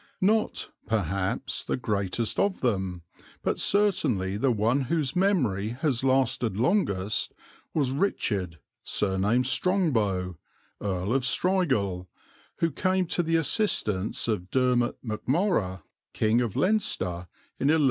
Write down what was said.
Not, perhaps, the greatest of them, but certainly the one whose memory has lasted longest, was "Richard, surnamed Strongbow, Earl of Strigul," who came to the assistance of Dermot Macmorrogh, King of Leinster, in 1172.